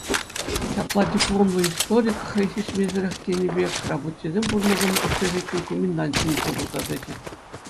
Ҫапла дипломлӑ историк хӑй сисмесӗрех тенӗ пек рабочисем пурӑнакан общежитин коменданчӗ пулса тӑчӗ.